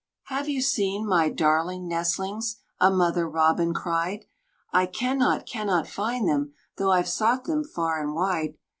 = "Have you seen my darling nestlings?" A mother robin cried, "I cannot, cannot find them, Though I've sought them far and wide.